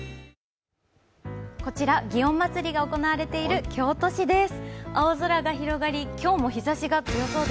こちら、祇園祭が行われている京都市です。